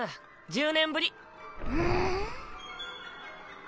１０年ぶり。んん？